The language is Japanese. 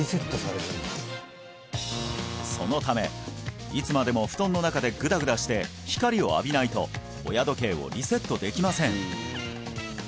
そのためいつまでも布団の中でグダグダして光を浴びないと親時計をリセットできません